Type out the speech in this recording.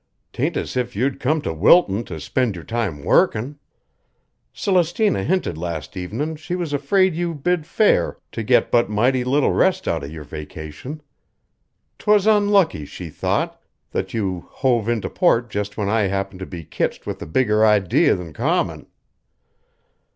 'Tain't as if you'd come to Wilton to spend your time workin'. Celestina hinted last evenin' she was afraid you bid fair to get but mighty little rest out of your vacation. 'Twas unlucky, she thought, that you hove into port just when I happened to be kitched with a bigger idee than common."